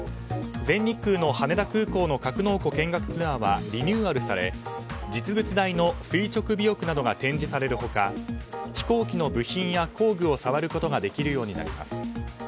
全日空の羽田空港の格納庫見学ツアーはリニューアルされ実物大の垂直尾翼などが展示される他飛行機の部品や工具を触ることができるようになります。